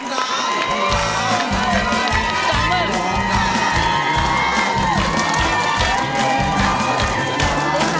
สวัสดีครับ